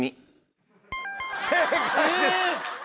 正解です。